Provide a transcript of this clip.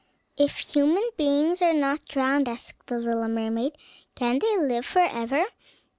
"If human beings are not drowned," asked the little mermaid, "can they live forever?